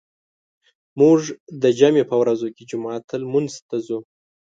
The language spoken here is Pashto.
موږ د جمعې په ورځو کې جومات ته لمونځ ته ځو.